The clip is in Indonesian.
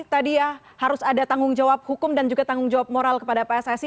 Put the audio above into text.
tadi ya harus ada tanggung jawab hukum dan juga tanggung jawab moral kepada pssi